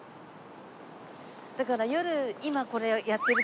だから夜今これやってるから。